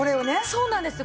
そうなんですよ。